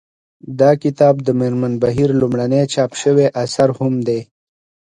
دا کتاب د مېرمن بهیر لومړنی چاپ شوی اثر هم دی